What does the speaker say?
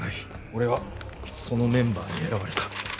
俺はそのメンバーに選ばれた。